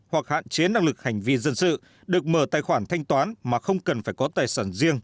hoặc hạn chế năng lực hành vi dân sự được mở tài khoản thanh toán mà không cần phải có tài sản riêng